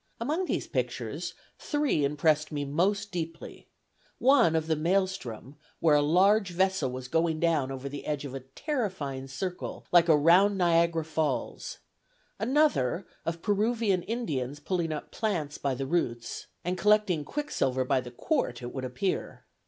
Among these pictures, three impressed me most deeply: one of the Maelstrom, where a large vessel was going down over the edge of a terrifying circle like a round Niagara Falls; another of Peruvian Indians pulling up plants by the roots, and collecting quicksilver by the quart, it would appear.